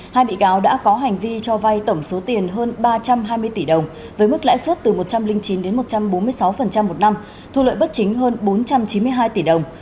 hai bị cáo đã có hành vi cho vai tổng số tiền hơn ba trăm hai mươi tỷ đồng với mức lãi suất từ một trăm linh chín đến một trăm bốn mươi sáu một năm thu lợi bất chính hơn bốn trăm chín mươi hai tỷ đồng